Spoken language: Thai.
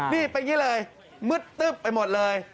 นี่เป็นอย่างนี้เลยมืดตึ๊บไปหมดเลย